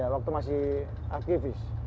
waktu masih aktivis